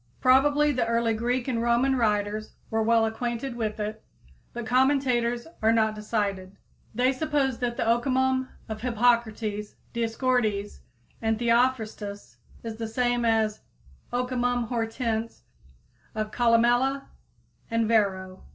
Probably the early Greek and Roman writers were well acquainted with it, but commentators are not decided. They suppose that the Okimon of Hippocrates, Dioscorides and Theophrastus is the same as Ocimum hortense of Columella and Varro.